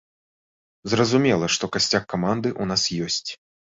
Зразумела, што касцяк каманды ў нас ёсць.